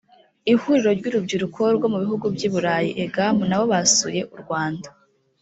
ihuriro ry urubyiruko rwo mu bihugu by i burayi egam nabo basuye u rwanda